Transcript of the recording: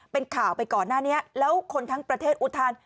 เป็นข่าวไปก่อนหน้านี้แล้วคนทั้งประเทศอุทาน